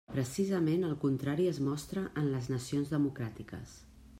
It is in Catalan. Precisament el contrari es mostra en les nacions democràtiques.